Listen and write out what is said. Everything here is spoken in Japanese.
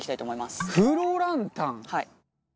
はい。